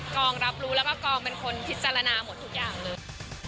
รับรู้แล้วก็กองเป็นคนพิจารณาหมดทุกอย่างเลย